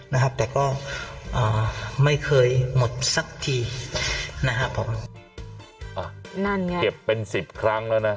นะครับแต่ก็อ่าไม่เคยหมดสักทีนะครับผมอ่านั่นไงเก็บเป็นสิบครั้งแล้วนะ